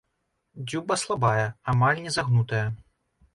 Дзюба слабая, амаль не загнутая.